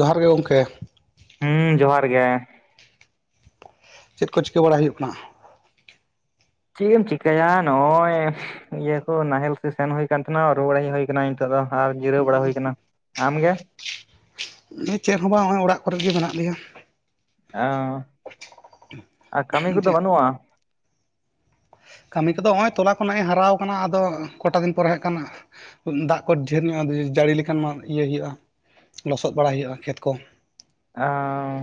ᱡᱚᱦᱟᱨ ᱜᱮ ᱜᱚᱝᱠᱮ᱾ ᱦᱩᱸ ᱡᱚᱦᱟᱨ ᱜᱮ᱾ ᱪᱮᱫ ᱠᱚ ᱪᱤᱠᱟᱹ ᱵᱟᱲᱟ ᱦᱩᱭᱩᱜ ᱠᱟᱱᱟ? ᱪᱮᱜ ᱮᱢ ᱪᱤᱠᱟᱭᱟ ᱱᱚᱜ-ᱚᱭ ᱤᱭᱟᱹ ᱠᱚ ᱱᱟᱦᱮᱞ ᱥᱤ ᱥᱮᱱ ᱦᱩᱭ ᱠᱟᱱ ᱛᱟᱦᱮᱱᱟ ᱨᱩᱲᱟᱭ ᱦᱮᱡ ᱦᱩᱭ ᱠᱟᱱᱟᱧ ᱱᱤᱛᱚᱜ ᱫᱚ ᱟᱨ ᱡᱤᱨᱟᱹᱣ ᱵᱟᱲᱟ ᱦᱩᱭ ᱠᱟᱱᱟ᱾ ᱟᱢᱜᱮ? ᱪᱮᱫ ᱦᱚᱸ ᱵᱟᱝ ᱱᱚᱜᱼᱚᱭ ᱚᱲᱟᱜ ᱠᱚᱨᱮ ᱜᱮ ᱢᱮᱱᱟᱜ ᱞᱮᱭᱟ᱾ ᱚ, ᱟᱨ ᱠᱟᱹᱢᱤ ᱠᱚᱫᱚ ᱪᱮᱫ ᱵᱟᱹᱱᱩᱜᱼᱟ? ᱠᱟᱹᱢᱤ ᱠᱚᱫᱚ ᱦᱚᱸᱜᱼᱚᱭ ᱛᱚᱞᱟ ᱠᱚ ᱱᱮᱜ-ᱮ ᱦᱟᱨᱟᱣ ᱠᱟᱱᱟ ᱟᱫᱚ ᱠᱚᱴᱟ ᱫᱤᱱ ᱯᱚᱨᱮ ᱦᱮᱸᱜ ᱠᱟᱱ ᱫᱟᱜ ᱠᱚ ᱰᱷᱮᱨ ᱧᱚᱜᱼᱮ ᱡᱟᱹᱲᱤ ᱞᱮᱠᱟᱱ ᱢᱟ ᱤᱭᱟᱹ ᱦᱩᱭᱩᱜᱼᱟ᱾ ᱞᱚᱥᱚᱫ ᱵᱟᱲᱟᱭ ᱦᱩᱭᱩᱜᱼᱟ ᱠᱷᱮᱛ ᱠᱚ᱾ ᱟᱣᱻ᱾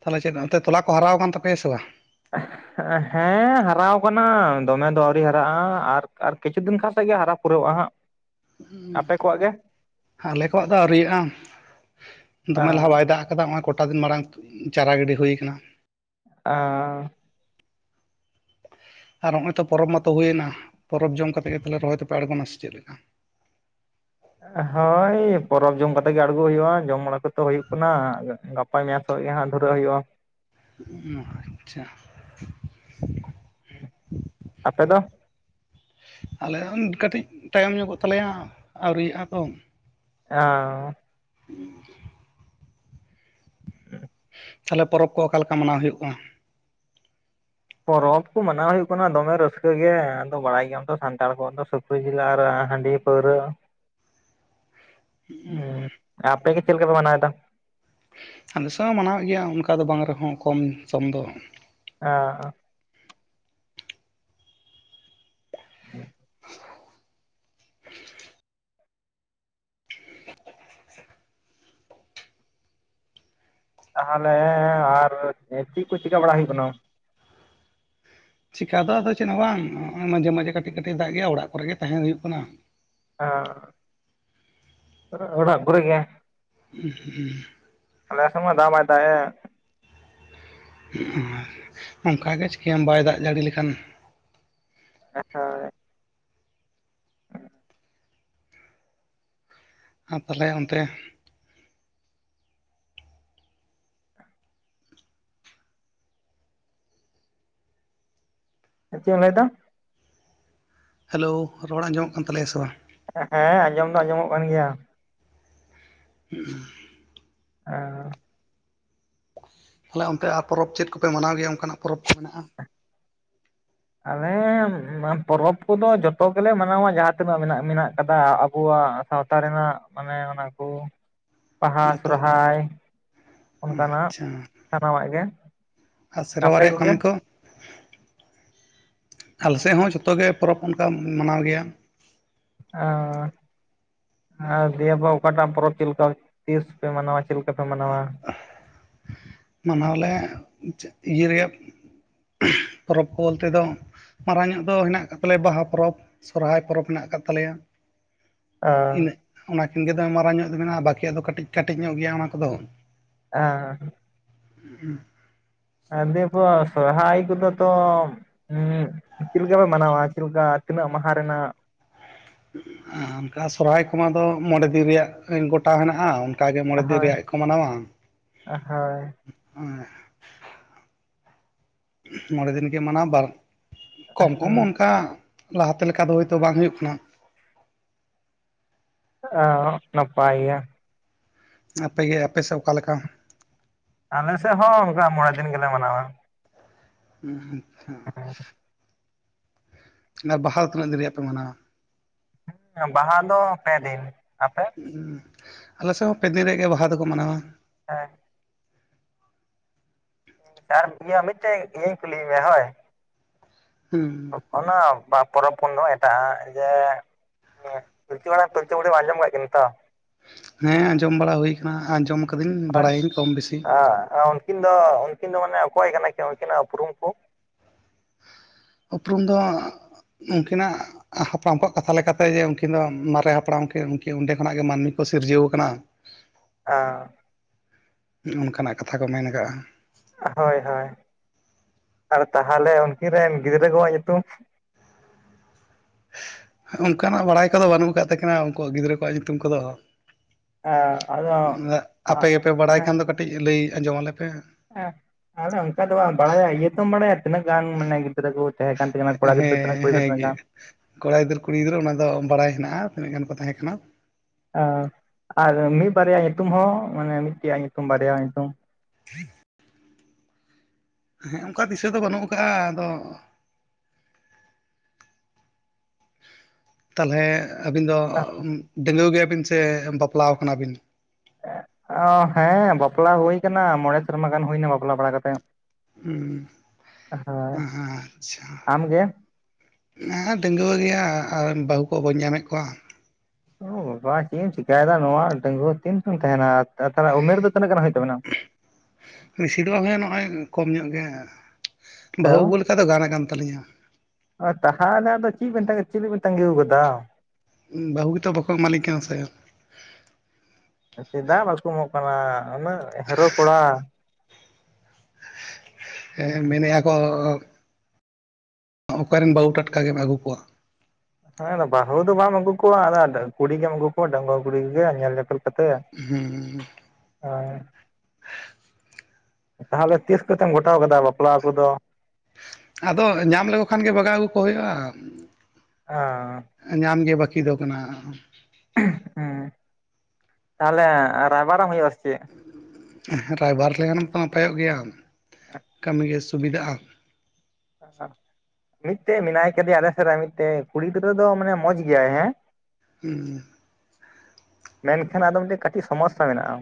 ᱛᱟᱦᱚᱞᱮ ᱪᱮᱫ ᱚᱱᱛᱮ ᱛᱚᱞᱟ ᱠᱚ ᱦᱟᱨᱟᱣ ᱠᱟᱱ ᱛᱟᱯᱮᱭᱟ ᱥᱮ ᱵᱟᱝ? ᱦ [inaudible] ᱦᱮᱸ ᱦᱟᱨᱟᱣ ᱠᱟᱱᱟ ᱫᱚᱢᱮ ᱫᱚ ᱟᱹᱣᱨᱤ ᱦᱟᱨᱟᱜᱼᱟ, ᱟᱨ-ᱟᱨ ᱠᱤᱪᱷᱩ ᱫᱤᱱ ᱠᱷᱟᱱ ᱥᱮᱫ ᱜᱮ ᱦᱟᱨᱟ ᱯᱩᱨᱟᱹᱜᱼᱟ ᱦᱟᱸᱜ᱾ ᱟᱯᱮ ᱠᱚᱣᱟᱜ ᱜᱮ? ᱟᱞᱮ ᱠᱚᱣᱟᱜ ᱫᱚ ᱟᱹᱣᱨᱤᱭᱟᱜᱼᱟ᱾ ᱫᱚᱢᱮ ᱞᱟᱦᱟ ᱵᱟᱭ ᱫᱟᱜ ᱟᱠᱟᱫᱟ ᱱᱚᱜ-ᱚᱭ ᱠᱚᱴᱟ ᱫᱤᱱ ᱢᱟᱲᱟᱝ ᱪᱟᱨᱟ ᱜᱤᱰᱤ ᱦᱳᱭ ᱠᱟᱱᱟ᱾ ᱟ᱾ ᱟᱨ ᱦᱚᱸᱜ-ᱚᱭ ᱛᱚ ᱯᱚᱨᱚᱵᱽ ᱢᱟᱛᱚ ᱦᱳᱭᱱᱟ᱾ ᱯᱚᱨᱚᱵᱽ ᱡᱚᱢ ᱠᱟᱛᱮ ᱜᱮ, ᱛᱟᱦᱚᱞᱮ ᱨᱚᱦᱚᱭ ᱫᱚᱯᱮ ᱟᱬᱜᱳᱱᱟ ᱥᱮ ᱪᱮᱫ ᱞᱮᱠᱟ? ᱦᱳᱭ ᱯᱚᱨᱚᱵᱽ ᱡᱚᱢ ᱠᱟᱛᱮ ᱜᱮ, ᱟᱬᱜᱚ ᱦᱳᱭᱳᱜᱼᱟ᱾ ᱡᱚᱢ ᱵᱟᱲᱟ ᱠᱚᱛᱚ, ᱦᱳᱭᱳᱜ ᱠᱟᱱᱟ ᱜᱟ-ᱜᱟᱯ ᱜᱟᱯᱟ ᱢᱮᱭᱟᱝ ᱠᱷᱚᱡ ᱜᱮ, ᱦᱟᱸᱜ ᱫᱷᱩᱨᱟᱹᱜ ᱦᱳᱭᱳᱜᱼᱟ᱾ ᱦᱩ, ᱟᱪᱪᱷᱟ᱾ ᱟᱯᱮ ᱫᱚ? ᱟᱞᱮ ᱦᱚᱸ, ᱠᱟᱹᱴᱤᱡ ᱛᱟᱭᱚᱢ ᱧᱚᱜᱚᱜ ᱛᱟᱞᱮᱭᱟ, ᱟᱹᱣᱨᱤᱭᱟᱜᱼᱟ ᱛᱚ᱾ ᱚᱸ᱾ ᱛᱟᱦᱚᱞᱮ ᱯᱚᱨᱚᱵᱽ ᱠᱚ, ᱟᱠᱟᱮ ᱞᱮᱠᱟ ᱢᱟᱱᱟᱣ ᱦᱳᱭᱳᱜ ᱠᱟᱱᱟ? ᱯᱚᱨᱚᱵᱽ ᱠᱚ ᱢᱟᱱᱟᱣ ᱦᱳᱭᱳᱜ ᱠᱟᱱᱟ, ᱫᱚᱢᱮ ᱨᱟᱹᱥᱠᱟᱹ ᱜᱮ, ᱟᱫᱚ ᱵᱟᱲᱟᱭ ᱜᱮᱭᱟᱢ ᱛᱚ, ᱥᱟᱱᱟᱲ ᱠᱚᱣᱟᱜ ᱫᱚ ᱥᱩ ᱥᱩᱠᱨᱤ ᱡᱮᱞ, ᱟᱨ ᱦᱟᱺᱰᱤ ᱯᱟᱹᱣᱨᱟᱹ᱾ ᱦᱩᱸ, ᱟᱯᱮ ᱜᱮ ᱪᱮᱫ ᱞᱮᱠᱟ ᱯᱮ, ᱢᱟᱱᱟᱣ ᱫᱟ? ᱟᱞᱮᱥᱮᱫ ᱦᱚᱸ ᱢᱟᱱᱟᱣᱮᱫ ᱜᱮᱭᱟ, ᱚᱱᱠᱟ ᱫᱚ ᱵᱟᱝ ᱨᱮᱦᱚᱸ ᱠᱚᱢ ᱥᱚᱢ ᱫᱚ᱾ ᱚ, ᱚ᱾ ᱦᱮᱸ᱾ ᱛᱟᱦᱚᱞᱮ, ᱟᱨ ᱪᱤᱫ ᱠᱚ ᱪᱮᱠᱟᱹ ᱵᱟᱲᱟ, ᱦᱳᱭᱳᱜ ᱠᱟᱱᱟ? ᱪᱤᱠᱟ ᱫᱚ ᱟᱫᱚ ᱪᱮᱫ ᱦᱚᱸ ᱵᱟᱝ, ᱦᱚᱸᱜ-ᱚᱭ ᱢᱟᱡᱮ, ᱢᱟᱡᱮ ᱠᱟᱹᱴᱤᱡ ᱠᱟᱹᱴᱤᱡ-ᱮ ᱫᱟᱜᱮ-ᱟ, ᱚᱲᱟᱜ ᱠᱚᱨᱮ ᱜᱮ ᱛᱟᱦᱮᱸ ᱦᱳᱭᱳᱜ ᱠᱟᱱᱟ᱾ ᱚᱸ ᱟᱜᱲᱜ ᱠᱚᱨᱮ ᱜᱮ᱾ [unintelligible] ᱟᱞᱮ ᱥᱮᱫ ᱢᱟ ᱫᱟᱜ ᱢᱟᱭ ᱫᱟᱜ ᱮᱜ᱾ ᱚᱱᱠᱟ ᱜᱮ ᱪᱤᱠᱟᱹᱭᱟᱢ ᱵᱟᱭ ᱫᱟᱜ ᱡᱟᱹᱲᱤ ᱞᱮᱠᱷᱟᱱ᱾ [unintelligible] ᱟᱨ ᱛᱟᱦᱚᱞᱮ ᱚᱱᱛᱮ ᱨᱮ᱾ ᱦᱮ ᱪᱮᱫ ᱮᱢ ᱞᱟᱹᱭ ᱫᱟ? ᱦᱮᱞᱳ ᱨᱚᱲ ᱟᱡᱚᱢᱚᱜ ᱠᱟᱱ ᱛᱟᱞᱮᱭᱟ ᱥᱮ ᱵᱟᱝ? ᱦᱮ ᱟᱡᱚᱢ ᱫᱚ ᱟᱡᱚᱢᱚᱜ ᱠᱟᱱ ᱜᱮᱭᱟ᱾ [unintelligible] ᱦᱮᱸ ᱛᱟᱦᱞᱮ ᱚᱱᱛᱮ ᱯᱚᱨᱚᱵᱽ ᱪᱮᱫ ᱠᱚᱯᱮ ᱢᱟᱱᱟᱣ ᱜᱮᱭᱟ ᱚᱱᱠᱟᱱᱟᱜ ᱯᱚᱨᱚᱵᱽ ᱠᱚ ᱢᱮᱱᱟᱜᱼᱟ? ᱟᱞᱮ ᱯᱚᱨᱚᱵᱽ ᱠᱚᱫᱚ ᱡᱚᱛᱚ ᱜᱮᱞᱮ ᱢᱟᱱᱟᱣᱟ ᱡᱟᱦᱟᱸ ᱛᱤᱱᱟᱹᱜ ᱢᱮᱱᱟᱜ ᱢᱮᱱᱟᱜ ᱠᱟᱫᱟ ᱟᱵᱚᱣᱟᱜ᱾ ᱥᱟᱶᱛᱟ ᱨᱮᱱᱟᱜ ᱢᱟᱱᱮ ᱚᱱᱟ ᱠᱚ ᱵᱟᱦᱟ ᱡᱚᱛᱚ ᱥᱚᱨᱦᱟᱭ ᱚᱱᱠᱟᱱᱟᱜ ᱟᱪᱪᱷᱟ ᱥᱟᱱᱟᱢᱟᱜ ᱜᱮ ᱟᱨ ᱥᱮᱨᱣᱟ ᱟᱯᱮ ᱨᱮᱭᱟᱜ ᱠᱚᱜᱮ ᱠᱟᱹᱢᱤ ᱠᱚ? ᱟᱞᱮᱥᱮᱫ ᱦᱚᱸ ᱡᱷᱚᱛᱚ ᱜᱮ ᱯᱚᱨᱚᱵᱽ ᱚᱱᱠᱟ ᱢᱟᱱᱟᱣ ᱜᱮᱭᱟ᱾ ᱚ, ᱟᱨ ᱫᱤᱭᱟᱹ ᱯᱚ ᱚᱠᱟᱴᱟᱜ ᱯᱚᱨᱚᱵᱽ ᱪᱮᱫ ᱞᱮᱠᱟ ᱛᱤᱥ ᱯᱮ ᱢᱟᱱᱟᱣᱟ ᱪᱮᱫ ᱞᱮᱠᱟ ᱯᱮ ᱢᱟᱱᱟᱣᱟ? ᱢᱟᱱᱟᱣᱞᱮ ᱤᱭᱟᱹ ᱯᱚᱨᱚᱵᱽ ᱠᱚ ᱵᱚᱞᱛᱮ ᱫᱚᱼᱼ ᱢᱟᱨᱟᱝ ᱧᱚᱜ ᱫᱚ ᱦᱮᱱᱟᱜ ᱟᱠᱟᱫ ᱛᱟᱞᱮᱭᱟ ᱵᱟᱦᱟ ᱯᱚᱨᱚᱵᱽ ᱥᱚᱨᱦᱟᱭ ᱯᱚᱨᱚᱵᱽ ᱢᱮᱱᱟᱜ ᱟᱠᱟᱫ ᱛᱟᱞᱮᱭᱟ᱾ ᱤᱱᱟᱹᱜ ᱚᱱᱟ ᱠᱤᱱ ᱜᱮ ᱫᱚ ᱢᱟᱨᱟᱝ ᱧᱚᱜ ᱢᱮᱱᱟ ᱵᱟᱠᱤᱭᱟᱜ ᱫᱚ ᱠᱟᱹᱴᱤᱡ ᱠᱟᱹᱴᱤᱡ ᱧᱚᱜ ᱜᱮᱭᱟ ᱚᱱᱟ ᱠᱚᱫᱚ᱾ ᱦᱮᱸ, ᱦᱩᱸ, ᱟᱸᱫᱮ ᱯᱚᱨ ᱥᱚᱨᱦᱟᱭ ᱠᱚᱫᱚ ᱛᱚ᱾ ᱦᱩᱜ ᱪᱮᱫ ᱞᱮᱠᱟ ᱯᱮ ᱢᱟᱱᱟᱣᱟ ᱪᱮᱫ ᱞᱮᱠᱟ ᱛᱤᱱᱟᱹᱜ ᱢᱟᱦᱟ ᱨᱮᱱᱟᱜ ᱚᱱᱠᱟ ᱥᱚᱨᱦᱟᱭ ᱠᱚᱢᱟ ᱫᱚ ᱢᱚᱬᱮ ᱫᱤᱱ ᱨᱮᱭᱟᱜ ᱜᱚᱴᱟ ᱦᱮᱱᱟᱜ-ᱟ᱾ ᱚᱱᱠᱟᱜᱮ ᱢᱚᱬᱮ ᱫᱤᱱ ᱦᱳᱭ ᱨᱮᱭᱟᱜ ᱠᱚ ᱢᱟᱱᱟᱣᱟ᱾ ᱦᱳᱭ ᱢᱚᱬᱮ ᱫᱤᱱ ᱜᱮ ᱢᱟᱱᱟᱣ ᱫᱟ ᱠᱚᱢ ᱠᱚᱢ ᱚᱱᱠᱟ᱾ ᱞᱟᱦᱟᱛᱮ ᱞᱮᱠᱟ ᱫᱚ ᱦᱳᱭᱛᱳ ᱵᱟᱝ ᱦᱩᱭᱩᱜ ᱠᱟᱱᱟ᱾ ᱮ ᱱᱟᱯᱟᱭ ᱜᱮᱭᱟ᱾ ᱟᱯᱮ‌ ᱜᱮ ᱟᱯᱮ ᱥᱮᱫ ᱚᱠᱟ ᱞᱮᱠᱟ? ᱟᱞᱮᱥᱮᱫ ᱦᱚᱸ ᱚᱱᱠᱟ ᱢᱚᱬᱮ ᱫᱤᱱ ᱜᱮᱞᱮ ᱢᱟᱱᱟᱣᱟ᱾ ᱟᱪᱪᱷᱟ, ᱚᱱᱟ ᱵᱟᱦᱟ ᱛᱤᱱᱟᱹᱜ ᱫᱤᱱ ᱨᱮᱭᱟᱜ ᱯᱮ ᱢᱟᱱᱟᱣᱟ᱾ ᱦᱮ ᱵᱟᱦᱟ ᱫᱚ ᱯᱮ ᱫᱤᱱ᱾ ᱟᱯᱮ? ᱟᱞᱮᱥᱮᱫ ᱦᱚᱸ ᱯᱮ ᱫᱤᱱ ᱨᱮᱭᱟᱜ ᱜᱮ ᱵᱟᱦᱟ ᱫᱚᱠᱚ ᱢᱟᱱᱟᱣᱟ᱾ ᱦᱮᱸ᱾ ᱟᱨ ᱤᱭᱟᱹ ᱢᱤᱫᱴᱮᱱ ᱤᱭᱟᱹᱧ ᱠᱩᱞᱤᱭ ᱢᱮᱭᱟ ᱦᱳᱭ? ᱦᱩᱸ, ᱚᱱᱟ ᱯᱚᱨᱚᱵᱽ ᱠᱷᱚᱱ ᱫᱚ ᱮᱴᱟᱜ-ᱟ ᱡᱮ ᱯᱤᱞᱪᱩ ᱦᱟᱲᱟᱢ ᱯᱤᱞᱪᱩ ᱵᱩᱰᱷᱤ ᱟᱡᱚᱢ ᱠᱟᱜ ᱠᱤᱱ ᱛᱚ? ᱦᱮ ᱟᱡᱚᱢ ᱵᱟᱲᱟ ᱦᱩᱭ ᱠᱟᱱᱟ ᱟᱡᱚᱢ ᱠᱟᱹᱫᱟᱹᱧ ᱵᱟᱲᱟᱭᱟᱹᱧ ᱠᱚᱢ ᱵᱮᱥᱤ᱾ [unintelligible] ᱩᱱᱠᱤᱱ ᱫᱚ ᱩᱱᱠᱤᱱ ᱫᱚ ᱢᱟᱱᱮ ᱚᱠᱚᱭ ᱠᱟᱱᱟ ᱠᱤ ᱩᱱᱠᱤᱱᱟᱜ ᱩᱯᱨᱩᱢ ᱠᱚ? ᱩᱯᱨᱩᱢ ᱫᱚ ᱩᱱᱩᱠᱤᱱᱟᱜ᱾ ᱦᱟᱯᱲᱟᱢ ᱠᱚᱣᱟᱜ ᱠᱟᱛᱷᱟ ᱞᱮᱠᱟᱛᱮ ᱡᱮ ᱩᱱᱠᱤᱱ ᱫᱚ ᱢᱟᱨᱮ ᱦᱟᱯᱲᱟᱢ ᱠᱤᱱ ᱩᱱᱠᱤᱱ ᱚᱸᱰᱮ ᱠᱷᱚᱱᱟᱜ ᱜᱮ ᱢᱟᱹᱱᱢᱤ ᱠᱚ ᱥᱤᱨᱡᱟᱹᱣ ᱟᱠᱟᱱᱟ᱾ [inaudible] ᱟᱻ ᱚᱱᱠᱟᱱᱟᱜ ᱠᱟᱛᱷᱟ ᱠᱚ ᱢᱮᱱ ᱟᱠᱟᱜ-ᱟ᱾ ᱦᱳᱭ ᱦᱳᱭ ᱟᱨ ᱛᱟᱦᱚᱞᱮ ᱩᱱᱠᱤᱱ ᱨᱮᱱ ᱜᱤᱫᱽᱨᱟᱹ ᱠᱚᱣᱟᱜ ᱧᱩᱛᱩᱢ᱾ ᱚᱱᱠᱟᱱᱟᱜ ᱵᱟᱲᱟᱭ ᱠᱚᱫᱚ ᱵᱟᱹᱱᱩᱜ ᱠᱟᱜ ᱛᱟᱹᱠᱤᱱᱟ ᱩᱱᱠᱩᱣᱟᱜ ᱜᱤᱫᱽᱨᱟᱹ ᱠᱚᱣᱟᱜ ᱧᱩᱛᱩᱢ ᱠᱚᱫᱚ᱾ ᱟᱸ, ᱟᱫᱚ ᱟᱯᱮ ᱟ- ᱜᱮᱯᱮ ᱵᱟᱲᱟᱭ ᱠᱷᱟᱱ ᱫᱚ, ᱠᱟᱹᱴᱤᱡ ᱞᱟᱹᱭ ᱟᱸᱡᱚᱢ ᱟᱞᱮ ᱯᱮ᱾ ᱮᱸ, ᱟᱞᱮ ᱚᱱᱠᱟᱫᱚ ᱵᱟᱝ ᱵᱟᱲᱟᱭᱟ, ᱤᱭᱟᱹ ᱛᱚᱢ ᱵᱟᱲᱟᱭᱟ ᱛᱤᱱᱟᱹᱜ ᱜᱟᱱ ᱢᱟᱱᱮ ᱜᱤᱫᱽᱨᱟᱹ ᱠᱩ ᱛᱟᱦᱮ ᱠᱟᱱ ᱛᱟᱹᱠᱤᱱᱟ, ᱠᱚᱲᱟ ᱜᱤᱫᱽᱨᱟᱹ ᱛᱤᱱᱟᱹᱜ, ᱦᱮᱸ ᱠᱩᱲᱤ ᱜᱤᱫᱽᱨᱟᱹ ᱛᱤᱱᱟᱹᱜ ᱜᱟᱱ᱾ ᱦᱮᱸᱜᱮ ᱠᱚᱲᱟ ᱜᱤᱫᱽᱨᱟᱹ, ᱠᱩᱲᱤ ᱜᱤᱫᱽᱨᱟᱹ ᱚᱱᱟ ᱫᱚ ᱵᱟᱲᱟᱭ ᱦᱮᱱᱟᱜᱼᱟ, ᱛᱤᱱᱟᱹᱜ ᱜᱟᱱ ᱠᱚ ᱛᱟᱦᱮ ᱠᱟᱱᱟ᱾ ᱟᱨ ᱢᱤᱜ ᱵᱟᱨᱟᱭᱟ ᱧᱩᱛᱩᱢ ᱦᱚᱸ, ᱢᱟᱱᱮ ᱢᱤᱫ ᱜᱮᱭᱟ ᱧᱩᱛᱩᱢ ᱵᱟᱨᱭᱟ ᱧᱩᱛᱩᱢ? [inaudible] ᱦᱮᱸ ᱚᱱᱠᱟ ᱫᱤᱥᱟᱹ ᱫᱚ, ᱵᱟᱹᱱᱩᱜ ᱠᱟᱜᱼᱟ, ᱟᱫᱚ ᱛᱟᱞᱦᱮ ᱟᱹᱵᱤᱱ ᱫᱚ ᱰᱟᱹᱜᱽᱣᱟᱹ ᱜᱮᱭᱟᱵᱤᱱ ᱥᱮ, ᱵᱟᱯᱞᱟᱣ ᱠᱟᱱᱟ ᱵᱤᱱ? ᱚ ᱦᱮᱸ ᱵᱟᱯᱞᱟ ᱦᱳᱭ ᱠᱟᱱᱟ, ᱢᱚᱬᱮ ᱥᱮᱨᱢᱟ ᱜᱟᱱ ᱦᱳᱭᱱᱟ, ᱵᱟᱯᱞᱟ ᱵᱟᱲᱟ ᱠᱟᱛᱮᱜ᱾ ᱦᱩᱸ, ᱦᱳᱭ ᱟᱪᱪᱷᱟ᱾ ᱟᱢᱜᱮ ᱦᱮ ᱰᱟᱹᱜᱩᱣᱟᱹ ᱜᱮᱭᱟ, ᱟᱨ ᱵᱟᱹᱦᱩ ᱠᱚ ᱵᱟᱹᱧ ᱧᱟᱢᱮᱫ ᱠᱚᱣᱟ᱾ ᱚ ᱵᱟᱵᱟ ᱪᱮᱜ ᱮᱢ ᱪᱮᱠᱟᱭᱫᱟ, ᱱᱚᱣᱟ ᱰᱟᱹᱜᱩᱣᱟᱹ ᱛᱤᱱ ᱠᱷᱚᱱ ᱛᱟᱦᱮᱸᱱᱟ, ᱛᱟᱦᱚᱞᱮ ᱩᱢᱮᱨ ᱫᱚ ᱛᱤᱱᱟᱹᱜ ᱜᱟᱱ ᱦᱳᱭᱳᱜ ᱛᱟᱵᱤᱱᱟ? ᱵᱤᱥᱤ ᱫᱚ ᱵᱟᱝ ᱦᱳᱭᱳᱜ-ᱟ, ᱱᱚᱜᱼᱚᱭ ᱠᱚᱢ ᱧᱚᱜ ᱜᱮ᱾ ᱵᱟᱹᱦᱩ ᱟᱹᱜᱩ ᱞᱮᱠᱟ ᱫᱚ, ᱜᱟᱱ ᱠᱟᱱ ᱛᱟᱹᱞᱤᱧᱟ᱾ ᱛᱟᱦᱟᱞᱮ ᱟᱫᱚ ᱪᱮᱜ ᱵᱤᱱ ᱛᱟᱸᱜᱤᱠᱟᱫᱟ, ᱪᱮᱫ ᱞᱟᱜᱤᱜ ᱵᱤᱱ ᱛᱟᱸᱜᱤᱣᱠᱟᱫᱟ᱾ ᱮᱢ, ᱵᱟᱹᱦᱩ ᱜᱮᱛᱚ, ᱵᱟᱠᱚ ᱮᱢᱟᱞᱤᱧ ᱠᱟᱱᱟ ᱥᱮ᱾ ᱪᱮᱫᱟᱜ ᱵᱟᱠᱚ ᱮᱢᱚᱜ ᱠᱟᱱᱟ, ᱩᱱᱟᱹᱜ ᱦᱮᱨᱳ ᱠᱚᱲᱟ? ᱮᱸ, ᱦᱮᱸ ᱢᱮᱱᱮᱜᱼᱟ ᱠᱚ ᱚᱠᱟᱨᱮᱱ ᱵᱟᱹᱦᱩ, ᱴᱟᱴᱠᱟ ᱜᱮᱢ ᱟᱹᱜᱩ ᱠᱚᱣᱟ᱾ ᱦᱮᱸ ᱟᱫᱚ ᱵᱟᱦᱩ ᱫᱚ ᱵᱟᱢ ᱟᱹᱜᱩ ᱠᱚᱣᱟ, ᱟᱫᱚ ᱠᱩᱲᱤ ᱜᱮᱢ ᱟᱹᱜᱩ ᱠᱚᱣᱟ, ᱰᱟᱹᱝᱜᱩᱣᱟᱹ ᱠᱩᱲᱤ ᱜᱮ, ᱧᱮᱞ ᱧᱮᱯᱮᱞ ᱠᱟᱛᱮ, ᱦᱮ ᱛᱟᱦᱚᱞᱮ ᱛᱤᱥ ᱠᱚᱛᱮᱢ ᱜᱚᱴᱟᱣ ᱠᱟᱫᱟ, ᱵᱟᱯᱞᱟ ᱠᱚᱫᱚ? ᱟᱫᱚ ᱧᱟᱢ ᱞᱮᱠᱚ ᱠᱷᱟᱱ ᱜᱮ, ᱵᱟᱜᱟᱣ ᱟᱜᱩ ᱠᱚ ᱦᱳᱭᱳᱜᱼᱟ᱾ ᱟᱸ, ᱧᱟᱢ ᱜᱮ ᱵᱟᱹᱠᱤ ᱫᱚ ᱠᱟᱱᱟ᱾ ᱦᱩᱸ, ᱛᱟᱦᱚᱞᱮ ᱨᱟᱭᱵᱟᱨᱟᱢ ᱦᱳᱭᱳᱜᱼᱟ, ᱥᱮ ᱪᱮᱜ? ᱦᱮ ᱨᱟᱭᱵᱟᱨ ᱞᱮᱠᱷᱟᱱ ᱦᱚᱸ ᱛᱚ ᱱᱟᱯᱟᱭᱚᱜ ᱜᱮᱭᱟ, ᱠᱟᱹᱢᱤ ᱜᱮ ᱥᱩᱵᱤᱫᱷᱟᱜᱼᱟ᱾ [unintelligible] ᱢᱤᱫᱴᱮᱡ ᱢᱮᱱᱟᱭ ᱠᱟᱫᱮᱭᱟ, ᱟᱞᱮ ᱥᱮᱜᱨᱮ, ᱢᱤᱫᱴᱮᱡ ᱠᱩᱲᱤ ᱜᱤᱫᱽᱨᱟᱹ ᱫᱚ, ᱢᱟᱱᱮ ᱢᱚᱸᱡᱽ ᱜᱮᱭᱟᱭ ᱦᱮᱸ ᱩᱸ᱾ ᱢᱮᱱᱠᱷᱟᱱ ᱟᱫᱚ ᱢᱤᱫᱴᱤᱡ ᱠᱟᱹᱴᱤᱡ ᱥᱚᱢᱚᱥᱥᱟ ᱢᱮᱱᱟᱜᱼᱟ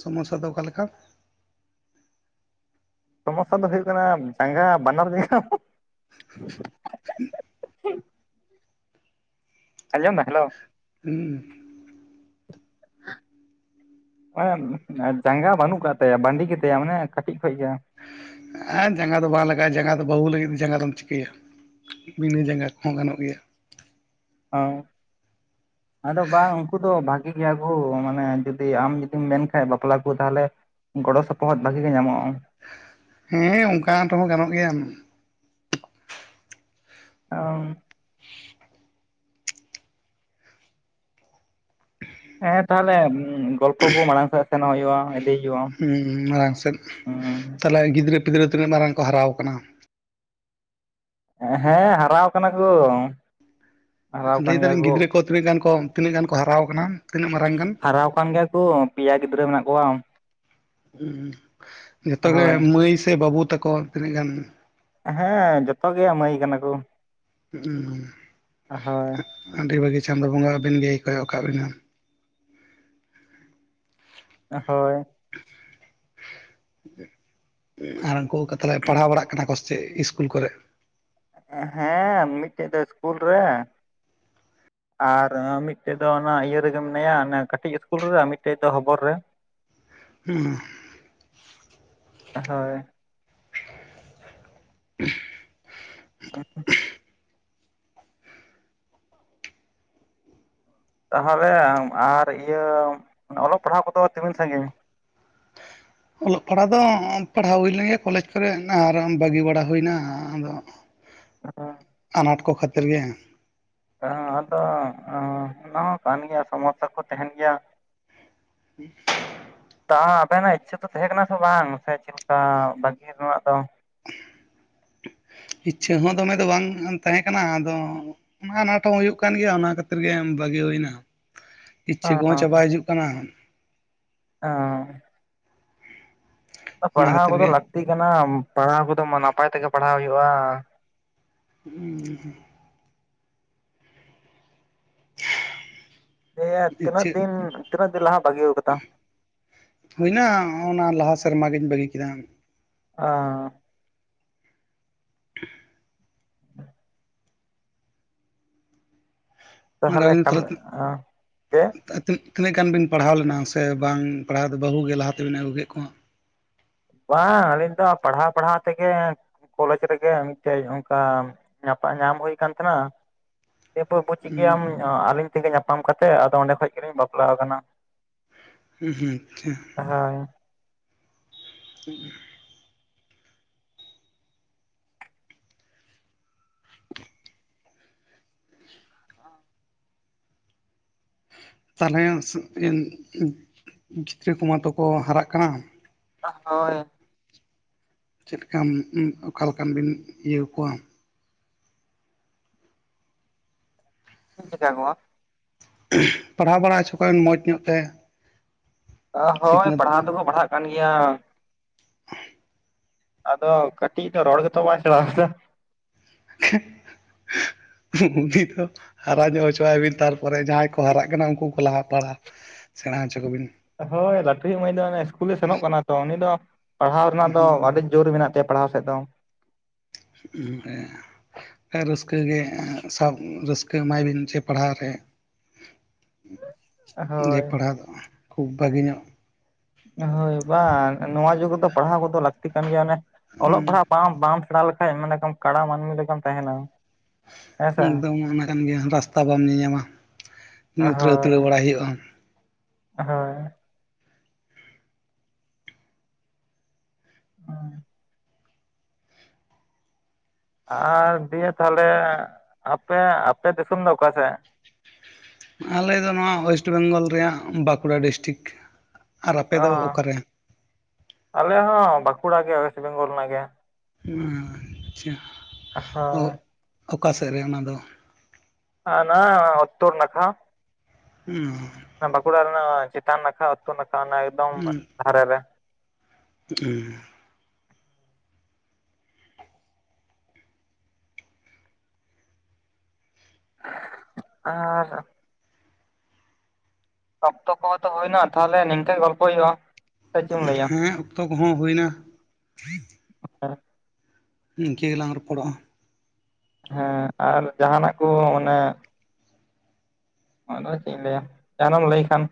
ᱥᱚᱢᱚᱥᱥᱟ ᱫᱚ ᱚᱠᱟᱞᱮᱠᱟ ᱥᱚᱢᱚᱥᱥᱟ ᱫᱚ ᱦᱩᱭᱩᱜ ᱠᱟᱱᱟ ᱡᱟᱸᱜᱟ ᱵᱟᱱᱟᱨ ᱡᱟᱸᱜ [inaudible] ᱟᱸᱡᱚᱢ ᱫᱟ ᱦᱮᱞᱳ ᱩᱸᱦᱩ ᱢᱟᱱᱮ ᱡᱟᱸᱜᱟ ᱵᱟᱹᱱᱩᱜ ᱠᱟᱜ ᱛᱟᱭᱟ ᱵᱟᱺᱰᱤᱡ ᱜᱮᱛᱟᱭᱟ ᱢᱟᱱᱮ ᱠᱟᱹᱴᱤᱡ ᱠᱷᱚᱡ ᱜᱮ ᱦᱮᱸ ᱡᱟᱸᱜᱟ ᱫᱚ ᱵᱟᱝ ᱞᱟᱜᱟᱜᱼᱟ ᱡᱟᱸᱜᱟ ᱫᱚ ᱵᱟᱹᱦᱩ ᱞᱟᱹᱜᱤᱫ ᱫᱚ ᱡᱟᱸᱜᱟ ᱫᱚᱢ ᱪᱤᱠᱟᱹᱭᱟ ᱵᱤᱱᱟᱹ ᱡᱟᱸᱜᱟ ᱠᱚᱦᱚᱸ ᱜᱟᱱᱚᱜ ᱜᱮᱭᱟ ᱚ ᱟᱫᱚ ᱵᱟᱝ ᱩᱱᱠᱩ ᱫᱚ ᱵᱷᱟᱠ ᱴᱷᱤᱠ ᱜᱮᱭᱟ ᱠᱩ ᱢᱟᱱᱮ ᱡᱩᱫᱤ ᱟᱢ ᱡᱩᱫᱤᱢ ᱢᱮᱱ ᱠᱷᱟᱡ ᱵᱟᱯᱞᱟ ᱠᱩ ᱛᱟᱦᱞᱮ ᱜᱚᱲᱚ ᱥᱚᱯᱚᱦᱚᱫ ᱵᱷᱟᱜᱤ ᱜᱮ ᱧᱟᱢᱚᱜᱼᱟ ᱦᱮᱸ ᱚᱱᱠᱟᱱ ᱨᱮᱦᱚᱸᱜᱟᱱᱚᱜ ᱜᱮᱭᱟ ᱚ ᱦᱮᱸ ᱛᱟᱦᱞᱮ ᱜᱚᱞᱯᱚ ᱠᱚ ᱢᱟᱲᱟᱝ ᱥᱮᱫ ᱥᱮᱱᱚᱜ ᱦᱩᱭᱩᱜᱼᱟ ᱤᱫᱤ ᱦᱩᱭᱩᱜᱼᱟ ᱦᱩᱸ ᱛᱟᱦᱞᱮ ᱜᱤᱫᱽᱨᱟᱹ ᱯᱤᱫᱽᱨᱟᱹ ᱛᱤᱱᱟᱹᱜ ᱢᱟᱨᱟᱝ ᱠᱚ ᱦᱟᱨᱟᱣ ᱠᱟᱱᱟ ᱦᱮᱸ ᱦᱟᱨᱟᱣ ᱠᱟᱱᱟ ᱠᱩ ᱞᱟᱹᱭ ᱫᱟᱞᱤᱧ ᱜᱤᱫᱽᱨᱟᱹ ᱠᱚ ᱛᱤᱱᱟᱹᱜ ᱜᱟᱱ ᱠᱚ ᱛᱤᱱᱟᱹᱜ ᱜᱟᱱ ᱠᱚ ᱦᱟᱨᱟᱣ ᱠᱟᱱᱟ ᱛᱤᱱᱟᱹᱜ ᱢᱟᱨᱟᱝ ᱜᱟᱱ ᱦᱟᱨᱟᱣ ᱟᱠᱟᱱ ᱜᱮᱭᱟ ᱠᱚ ᱯᱮᱭᱟ ᱜᱤᱫᱽᱨᱟᱹ ᱢᱮᱱᱟᱜ ᱠᱚᱣᱟ ᱦ ᱡᱚᱛᱚᱜ ᱜᱮ ᱦᱳᱭ ᱢᱟᱹᱭ ᱥᱮ ᱵᱟᱹᱵᱩ ᱛᱟᱠᱚ ᱛᱤᱱᱟᱹᱜ ᱜᱟᱱ ᱦᱮᱸ ᱡᱚᱛᱚ ᱜᱮᱭᱟ ᱢᱟᱹᱭ ᱠᱟᱱᱟ ᱠᱚ ᱦᱩᱸ ᱦᱳᱭ ᱟᱹᱰᱤ ᱵᱷᱟᱹᱜᱤ ᱪᱟᱸᱫᱳ ᱵᱚᱸᱜᱟ ᱟᱹᱵᱤᱱ ᱜᱮᱭ ᱠᱚᱭᱚᱜ ᱠᱟᱜ ᱵᱤᱱᱟ ᱦᱳᱭ ᱟᱨ ᱩᱱᱠᱩ ᱠᱟᱛᱞᱮᱡ ᱯᱟᱲᱦᱟᱣ ᱵᱟᱲᱟᱜ ᱠᱟᱱᱟ ᱠᱚᱥᱪᱮᱫ ᱤᱥᱠᱩᱞ ᱠᱚᱨᱮ ᱮ ᱦᱮᱸ ᱢᱤᱫᱴᱮᱡ ᱫᱚ ᱤᱥᱠᱩᱞ ᱨᱮ [unintelligible] ᱟᱨ ᱢᱤᱫᱴᱮᱡ ᱫᱚ ᱚᱱᱟ ᱤᱭᱟᱹ ᱨᱮᱜᱮ ᱢᱮᱱᱟᱭᱟ ᱠᱟᱹᱴᱤᱡ ᱤᱥᱠᱩᱞ ᱨᱮ ᱟᱨ ᱢᱤᱫᱴᱮᱡ ᱫᱚ ᱦᱚᱚᱵᱚᱨ ᱨᱮ ᱦᱩᱸ ᱦᱳᱭ [unintelligible] ᱩᱸᱦᱩᱸᱜ ᱛᱟᱦᱚᱞᱮ ᱟᱢ ᱟᱨ ᱤᱭᱟᱹ ᱚᱞᱚᱜ ᱯᱟᱲᱦᱟᱣ ᱠᱚᱫᱚ ᱛᱤᱢᱤᱱ ᱥᱟᱺᱜᱤᱧ ᱚᱞᱚᱜ ᱯᱟᱲᱦᱟᱜ ᱫᱚ ᱯᱟᱲᱦᱟᱣ ᱦᱩᱭ ᱞᱮᱱ ᱜᱮᱭᱟ ᱠᱚᱞᱮᱡᱽ ᱠᱚᱨᱮ ᱟᱨ ᱵᱟᱹᱜᱤ ᱵᱟᱲᱟ ᱦᱩᱭᱱᱟ ᱟᱫᱚ [unintelligible] ᱚ ᱟᱱᱟᱴ ᱠᱚ ᱠᱷᱟᱹᱛᱤᱨ ᱜᱮ ᱚᱦᱚᱸ ᱟᱫᱚ ᱚᱱᱟ ᱦᱚᱸ ᱠᱟᱱ ᱜᱮᱭᱟ ᱥᱚᱢᱚᱥᱥᱟ ᱠᱚ ᱛᱟᱦᱮᱱ ᱜᱮᱭᱟ [inaudible] ᱛᱟᱦᱚᱸ ᱟᱵᱮᱱᱟᱜ ᱤᱪᱪᱷᱟᱹ ᱫᱚᱚ ᱛᱟᱦᱮᱸ ᱠᱟᱱᱟ ᱥᱮ ᱵᱟᱝ ᱥᱮ ᱪᱮᱫ ᱠᱟ ᱵᱟᱜᱤ ᱨᱮᱱᱟᱜ ᱫᱚ ᱤᱪᱪᱷᱟᱹ ᱦᱚᱸ ᱫᱚᱢᱮ ᱫᱚ ᱵᱟᱝ ᱛᱟᱦᱮᱸᱠᱟᱱᱟ ᱟᱫᱚ ᱢᱟ ᱟᱱᱟᱴ ᱦᱚᱸ ᱦᱩᱭᱩᱜ ᱠᱟᱱ ᱜᱮᱭᱟ ᱚᱱᱟ ᱠᱷᱟᱹᱛᱤᱨ ᱜᱮ ᱵᱟᱹᱜᱤ ᱦᱩᱭᱱᱟ ᱤᱪᱪᱷᱟᱹ ᱦᱮᱸ ᱠᱚᱦᱚᱸ ᱪᱟᱵᱟ ᱦᱤᱡᱩᱜ ᱠᱟᱱᱟ ᱚᱻᱻ ᱚᱱᱟ ᱯᱟᱲᱦᱟᱣ ᱠᱷᱟᱹᱛᱤᱨ ᱠᱚᱫᱚ ᱜᱮ ᱞᱟᱹᱠᱛᱤ ᱠᱟᱱᱟ ᱯᱟᱲᱦᱟᱣ ᱠᱚᱫᱚ ᱢᱟ ᱱᱟᱯᱟᱭ ᱛᱮᱜᱮ ᱯᱟᱲᱦᱟᱣ ᱦᱩᱭᱩᱜᱼᱟ᱾ ᱦᱩᱸ ᱩᱦᱩ ᱫᱤᱭᱮ ᱛᱤᱱᱟᱹᱜ ᱤᱪᱪᱷᱟᱹ ᱫᱤᱱ ᱛᱤᱱᱟᱹᱜ ᱫᱤᱱ ᱞᱟᱦᱟ ᱵᱟᱜᱤᱭᱟᱹᱶ ᱠᱟᱫᱟᱢ ᱦᱩᱭᱱᱟ ᱚᱱᱟ ᱞᱟᱦᱟ ᱥᱮᱨᱢᱟ ᱜᱤᱧ ᱵᱟᱹᱜᱤ ᱠᱮᱫᱟ ᱟᱸ [inaudible] ᱚᱱᱟ ᱫᱚ ᱛᱟᱦᱚᱞᱮ ᱟᱵᱤᱱᱟᱜ ᱠᱟᱹᱢᱤ ᱪᱮᱫ [unintelligible] ᱛᱤᱱᱟᱹᱜ ᱜᱟᱱ ᱵᱤᱱ ᱯᱟᱲᱦᱟᱣ ᱞᱮᱱᱟ ᱥᱮ ᱵᱟᱝ ᱯᱟᱲᱦᱟᱣ ᱫᱚ ᱵᱟᱹᱦᱩ ᱜᱮ ᱞᱟᱦᱟ ᱛᱮᱵᱤᱱ ᱟᱹᱜᱩ ᱠᱮᱫ ᱠᱚᱣᱟ᱾ ᱵᱟᱝ ᱟᱹᱞᱤᱧ ᱫᱚ ᱯᱟᱲᱦᱟᱣ ᱯᱟᱲᱦᱟᱣ ᱛᱮᱜᱮ ᱠᱚᱞᱮᱡᱽ ᱨᱮᱜᱮ ᱢᱤᱫᱴᱮᱡ ᱚᱱᱠᱟ ᱧᱟᱯᱟ ᱧᱟᱢ ᱦᱩᱭ ᱠᱟᱱ ᱛᱟᱦᱮᱸᱱᱟ᱾ ᱮ ᱯᱳᱨ ᱯᱳᱨ ᱦᱩᱸ ᱪᱤᱠᱟᱹᱭᱟᱢ ᱟᱹᱞᱤᱧ ᱛᱮᱜᱮ ᱧᱟᱯᱟᱢ ᱠᱟᱛᱮᱮᱫ ᱟᱫᱚ ᱚᱸᱰᱮ ᱠᱷᱚᱡ ᱜᱮᱞᱤᱧ ᱵᱟᱯᱞᱟ ᱟᱠᱟᱱᱟ᱾ ᱦᱩᱸ- ᱦᱩᱸ ᱟᱪᱪᱷᱟ᱾ ᱦᱮᱸ [inaudible] ᱛᱟᱦᱚᱞᱮ ᱜᱤᱛᱽᱨᱟᱹ ᱠᱚᱢᱟᱛᱚᱠᱚ ᱦᱟᱨᱟᱜ ᱠᱟᱱᱟ᱾ ᱦᱳᱭ ᱪᱮᱫᱠᱟᱢ ᱚᱠᱟ ᱞᱮᱠᱟᱱ ᱵᱤᱱ ᱤᱭᱟᱹ ᱠᱚᱣᱟ᱾ [unintelligible] ᱯᱟᱲᱦᱟᱣ ᱵᱟᱲᱟ ᱦᱚᱪᱚ ᱠᱚᱵᱮᱱ ᱢᱚᱸᱡᱽ ᱧᱚᱜ ᱛᱮ᱾ ᱟ ᱦᱳᱭ ᱥᱤᱠᱷᱱᱟᱹᱛ ᱯᱟᱲᱦᱟᱣ ᱫᱚᱠᱚ ᱯᱟᱲᱦᱟᱜ ᱠᱟᱱ ᱜᱮᱭᱟ᱾ ᱟᱫᱚ ᱠᱟᱹᱴᱤᱡ ᱤᱡ ᱫᱚ ᱨᱚᱲ ᱜᱮᱛᱚ ᱵᱟᱭ ᱥᱮᱨᱟᱣ ᱠᱟᱫᱟ᱾ [unintelligible] ᱩᱱᱤ ᱫᱚ ᱦᱟᱨᱟ ᱧᱚᱜ ᱦᱚᱪᱚᱟᱭ ᱵᱤᱱ, ᱛᱟᱨᱯᱚᱨᱮ ᱡᱟᱦᱟᱸᱭ ᱠᱚ ᱦᱟᱨᱟᱜ ᱠᱟᱱᱟ ᱩᱱᱠᱩ ᱠᱚ ᱞᱟᱦᱟ ᱯᱟᱲᱟᱜ ᱥᱮᱬᱟ ᱦᱚᱪᱚ ᱠᱚ ᱵᱤᱱ᱾ ᱦᱳᱭ ᱞᱟᱹᱴᱷᱩᱭᱤᱡ ᱢᱟᱹᱭ ᱫᱚ ᱤᱥᱠᱩᱞᱮ ᱥᱮᱱᱚᱜ ᱠᱟᱱᱟ ᱛᱚ᱾ᱩᱱᱤ ᱫᱚ ᱯᱟᱲᱦᱟᱣ ᱨᱮᱱᱟᱜ ᱫᱚ ᱟᱹᱰᱤ ᱡᱳᱨ ᱢᱮᱱᱟᱜ ᱛᱟᱭᱟ ᱯᱟᱲᱦᱟᱣ ᱥᱮᱫ ᱫᱚ᱾ [unintelligible] ᱦᱮᱸ ᱨᱟᱹᱥᱠᱟᱹ ᱜᱮ ᱥᱟ ᱨᱟᱹᱥᱠᱟᱹ ᱮᱢᱟᱭ ᱵᱤᱱ ᱪᱮ ᱯᱟᱲᱦᱟᱣ ᱨᱮ᱾ ᱡᱮ ᱦᱳᱭ ᱯᱟᱲᱦᱟᱣ ᱫᱚ ᱠᱷᱩᱵ ᱵᱷᱟᱜᱮ ᱧᱚᱜ ᱦᱳᱭ ᱵᱟᱝ ᱱᱚᱣᱟ ᱡᱩᱜᱽ ᱨᱮᱫᱚ ᱯᱟᱲᱦᱟᱣ ᱠᱚᱫᱚ ᱞᱟᱹᱠᱛᱤ ᱠᱟᱱ ᱜᱮᱭᱟ᱾ ᱚᱱᱮ ᱚᱞᱚᱜ ᱯᱟᱲᱦᱟᱜ ᱵᱟᱝ ᱵᱟᱝ ᱯᱟᱲᱟ ᱞᱮᱠᱷᱟᱡ ᱢᱟᱱᱮ ᱠᱟᱢ ᱠᱟᱲᱟ ᱢᱟᱹᱱᱢᱤ ᱞᱮᱠᱟᱢ ᱛᱟᱦᱮᱱᱟ᱾ ᱦᱮᱸ ᱥᱮ ᱮᱠᱫᱚᱢ ᱚᱱᱟ ᱠᱟᱱ ᱜᱮᱭᱟ᱾ ᱨᱟᱥᱛᱟ ᱵᱟᱢ ᱧᱮᱞ ᱧᱟᱢ ᱢᱟ᱾ ᱧᱩᱛᱨᱮ ᱦᱟᱛᱲᱟᱹᱣ ᱵᱟᱲᱟᱭ ᱦᱩᱭᱩᱜᱼᱟ᱾ ᱦᱳᱭᱻ [inaudible] ᱟᱨ ᱫᱤᱭᱮ ᱛᱟᱦᱚᱞᱮ ᱟᱯᱮ ᱟᱯᱮ ᱫᱤᱥᱚᱢ ᱫᱚ ᱚᱠᱟ ᱥᱮᱫ? ᱟᱞᱮ ᱫᱚ ᱱᱚᱣᱟ ᱳᱭᱮᱥᱴ ᱵᱮᱝᱜᱚᱞ ᱨᱮᱭᱟᱜ ᱵᱟᱸᱠᱩᱲᱟ ᱰᱤᱥᱴᱤᱠ᱾ ᱟᱨ ᱟᱯᱮ ᱫᱚ ᱚ ᱚᱠᱟᱨᱮ ᱟᱞᱮ ᱦᱚᱸ ᱵᱟᱸᱠᱩᱲᱟ ᱜᱮ ᱚᱭᱮᱥᱴ ᱵᱮᱝᱜᱚᱞ ᱨᱮᱱᱟᱜ ᱜᱮ᱾ ᱟᱸ ᱟᱪᱪᱷᱟ᱾ ᱦᱚᱭ [inaudible] ᱚᱠᱟ ᱥᱮᱫ ᱨᱮ ᱚᱱᱟ ᱫᱚ? ᱟ ᱱᱟ ᱚ ᱛᱳᱚᱨ ᱱᱟᱠᱷᱟ᱾ ᱦᱩᱸᱻ ᱚᱱᱟ ᱵᱟᱸᱠᱩᱲᱟ ᱨᱮᱱᱟᱜ ᱪᱮᱛᱟᱱ ᱱᱟᱠᱷᱟ᱾ ᱩᱛᱛᱚᱨ ᱱᱟᱠᱷᱟ ᱚᱱᱟ ᱮᱠᱫᱚᱢ ᱫᱷᱟᱨᱮ ᱨᱮ᱾ ᱦᱩᱸᱻ ᱟᱨ ᱚᱠᱛᱚ ᱠᱚᱦᱚᱸ ᱛᱚ ᱦᱩᱭᱱᱟ᱾ ᱛᱟᱦᱚᱞᱮ ᱱᱤᱝᱠᱟᱹ ᱜᱮ ᱜᱚᱞᱯᱚ ᱦᱩᱭᱩᱜᱼᱟ᱾ ᱥᱮ ᱪᱮᱫ ᱮᱢ ᱞᱟᱹᱭᱟ ᱦᱮᱸ ᱚᱠᱛᱚ ᱠᱚᱦᱚᱸ ᱦᱩᱭᱱᱟ᱾ ᱤᱱᱠᱟᱹ ᱜᱮᱞᱟᱝ ᱨᱚᱯᱚᱲᱚᱜᱼᱟ᱾ ᱦᱮᱸ ᱟᱨ ᱡᱟᱦᱟᱱᱟᱜ ᱠᱚ ᱚᱱᱮ ᱫᱚ ᱪᱮᱫ ᱤᱧ ᱞᱟᱹᱭᱟ ᱡᱟᱦᱟᱱᱢ ᱞᱟᱹᱭ ᱠᱷᱟᱱ?